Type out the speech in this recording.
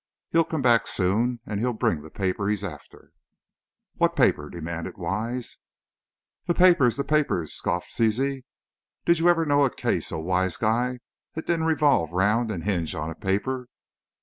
He'll come back, soon, and he'll bring the paper he's after." "What paper?" demanded Wise. "The poipers! the poipers!" scoffed Zizi; "did you ever know a case, oh, Wise Guy, that didn't revolve round and hinge on a poiper?